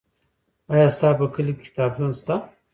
آیا ستا په کلي کې کتابتون سته؟